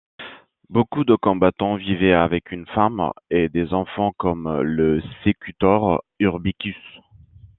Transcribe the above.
Beaucoup de combattants vivaient avec une femme et des enfants, comme le sécutor Urbicus.